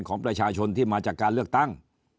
ของประชาชนที่มาจากการเลือกตั้ง